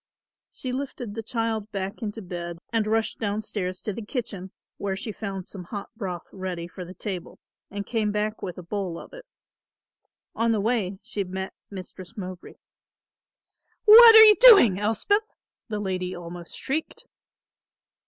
She lifted the child back into bed and rushed down stairs to the kitchen, where she found some hot broth ready for the table and came back with a bowl of it. On the way she met Mistress Mowbray. "What are you doing, Elspeth?" the lady almost shrieked.